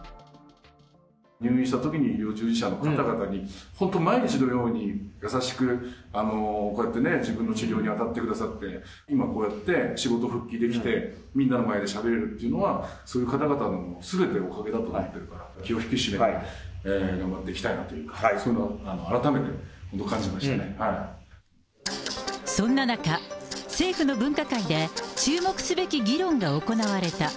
入院したときに医療従事者の方々が本当、毎日のように、優しくこうやってね、自分の治療に当たってくださって、今、こうやって仕事復帰できて、みんなの前でしゃべれるっていうのは、そういう方々のすべて、おかげだと思ってるから、気を引き締めて頑張っていきたいなという、そういうのを改めて僕、そんな中、政府の分科会で注目すべき議論が行われた。